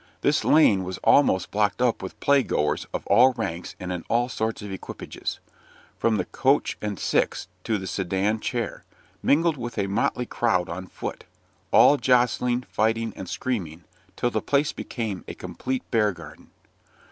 This lane was almost blocked up with play goers of all ranks and in all sorts of equipages, from the coach and six to the sedan chair, mingled with a motley crowd on foot, all jostling, fighting, and screaming, till the place became a complete bear garden.